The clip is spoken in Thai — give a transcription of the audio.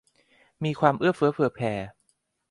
มีความเอื้อเฟื้อเผื่อแผ่